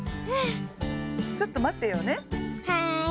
はい。